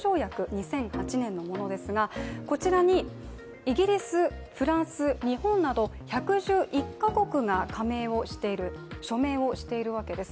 ２００８年のものですがこちらにイギリス、フランス、日本など１１１か国が加盟している、署名をしているわけです。